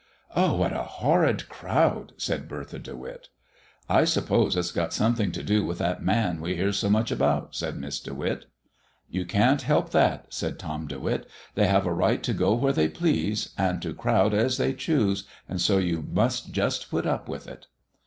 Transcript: "Oh, what a horrid crowd!" said Bertha De Witt. "I suppose it's got something to do with that Man we hear so much about," said Miss De Witt. "You can't help that," said Tom De Witt. "They have a right to go where they please, and to crowd as they choose, and so you must just put up with it."